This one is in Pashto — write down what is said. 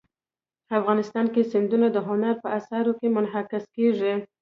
افغانستان کې سیندونه د هنر په اثار کې منعکس کېږي.